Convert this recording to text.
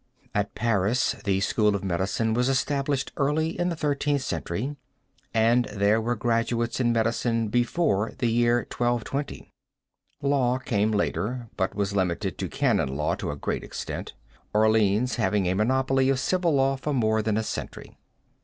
At Paris, the school of medicine was established early in the Thirteenth Century, and there were graduates in medicine before the year 1220. Law came later, but was limited to Canon law to a great extent, Orleans having a monopoly of civil law for more than a century.